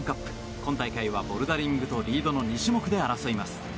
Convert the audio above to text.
今大会はボルダリングとリードの２種目で争います。